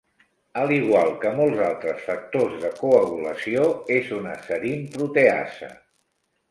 Al igual que molts altres factors de coagulació, és una serín proteasa.